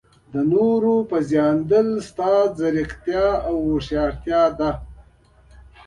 د نورو پېژندنه ستا ځیرکتیا او هوښیارتیا ده.